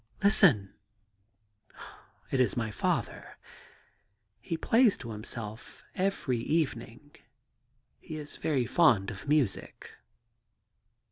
' Listen !' *It is my father. He plays to himself every evening ; he is very fond of music.